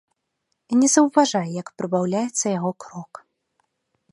І не заўважае, як прыбаўляецца яго крок.